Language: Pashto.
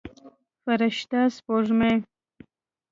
فرشته سپوږمۍ